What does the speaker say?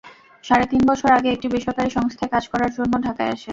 সাড়ে তিন বছর আগে একটি বেসরকারি সংস্থায় কাজ করার জন্য ঢাকায় আসেন।